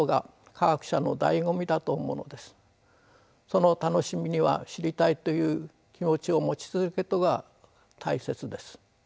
その楽しみには知りたいという気持ちを持ち続けることが大切です。